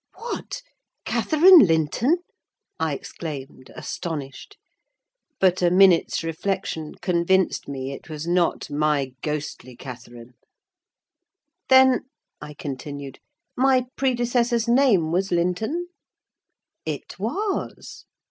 "What! Catherine Linton?" I exclaimed, astonished. But a minute's reflection convinced me it was not my ghostly Catherine. "Then," I continued, "my predecessor's name was Linton?" "It was."